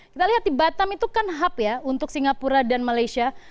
kita lihat di batam itu kan hub ya untuk singapura dan malaysia